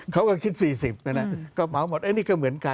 เขาก็คิดสี่สิบนะฮะก็เมาท์หมดอันนี้ก็เหมือนกันค่ะ